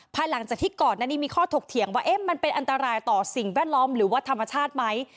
ภายหลังจากที่ก่อนหน้านี้มีข้อถกเถียงว่ามันเป็นอันตรายต่อสิ่งแวดล้อมหรือว่าธรรมชาติไหม